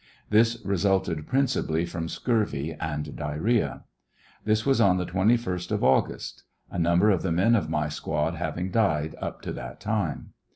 This resulted principally from scurvy and diarrhoea. This was on the 21st of August ; a number of the men of iny squad having died up to that time.